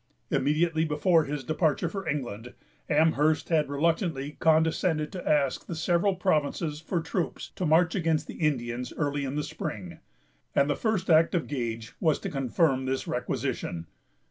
Immediately before his departure for England, Amherst had reluctantly condescended to ask the several provinces for troops to march against the Indians early in the spring, and the first act of Gage was to confirm this requisition.